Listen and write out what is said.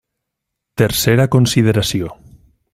Tercera consideració.